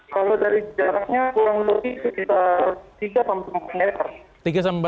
kalau dari jaraknya kurang lebih sekitar tiga sampai empat meter